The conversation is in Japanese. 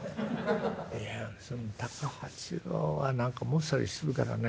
「いやタコ八郎は何かもっさりするからね」。